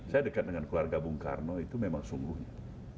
saya dekat dengan keluarga bung karno itu memang sungguhnya